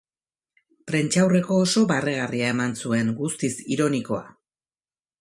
Prentsaurreko oso barregarria eman zuen, guztiz ironikoa.